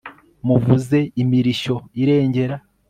muvuze imirishyo irengera